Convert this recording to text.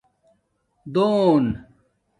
دَوَن